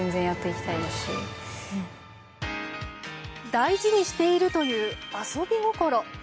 大事にしているという遊び心。